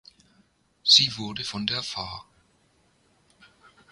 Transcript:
Sie wurde von der Fa.